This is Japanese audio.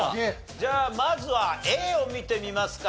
じゃあまずはＡを見てみますか。